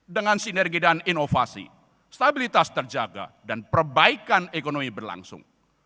dengan sinergi dan inovasi stabilitas terjaga dan perbaikan ekonomi berlangsung